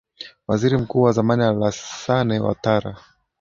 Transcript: waziri mkuu wa zamani alasane watara